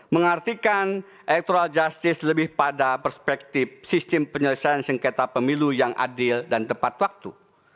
mengartikan electoral justice lebih pada perspektif sistem penyelesaian sengketa pemilu yang adil dan tepat waktu